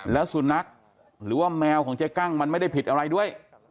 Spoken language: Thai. แล้วสุนัขหรือว่าแมวของเจ๊กั้งมันไม่ได้ผิดอะไรด้วย